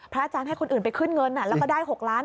อาจารย์ให้คนอื่นไปขึ้นเงินแล้วก็ได้๖ล้าน